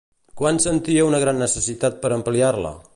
Quan sentia una gran necessitat per ampliar-la?